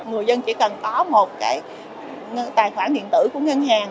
người dân chỉ cần có một tài khoản điện tử của ngân hàng